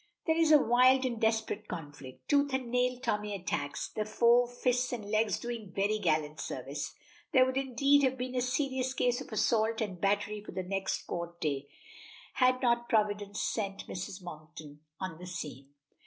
There is a wild and desperate conflict. Tooth and nail Tommy attacks, the foe, fists and legs doing very gallant service. There would indeed have been a serious case of assault and battery for the next Court day, had not Providence sent Mrs. Monkton on the scene.